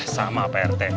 sama pak rt